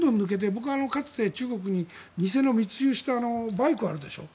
僕は昔、中国に偽の密輸したバイクがあるでしょ。